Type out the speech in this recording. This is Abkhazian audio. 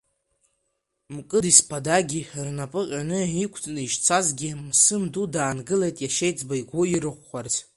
Мкыди Сԥадаги рнапы ҟьаны иқәҵны ишцазгьы, Мсым Ду даангылеит иашьеиҵбы игәы ирыӷәӷәарц.